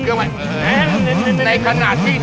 เอาออกมาเอาออกมาเอาออกมา